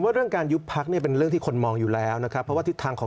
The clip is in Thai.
ผมว่าเรื่องการยุพักษ์เนี่ยเป็นเรื่องที่คนมองอยู่แล้วนะครับ